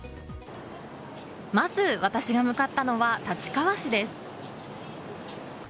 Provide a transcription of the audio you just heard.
まず、私が向かったのは立川市です。